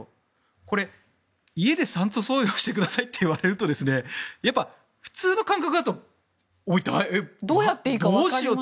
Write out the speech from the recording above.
これ、家で酸素投与してくださいって言われると普通の感覚だとどうしようって。